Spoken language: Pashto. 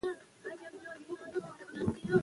تاریخ د افغان ښځو په ژوند کې رول لري.